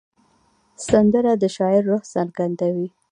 سندره د شاعر روح څرګندوي